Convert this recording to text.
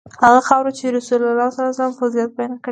هغه خاوره چې رسول الله فضیلت بیان کړی.